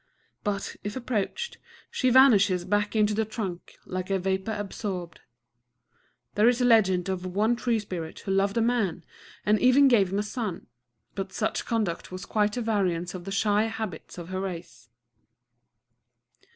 But, if approached, she vanishes back into the trunk, like a vapor absorbed. There is a legend of one tree spirit who loved a man, and even gave him a son; but such conduct was quite at variance with the shy habits of her race....